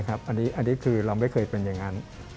อันนี้คือเราไม่เคยเป็นอย่างนั้น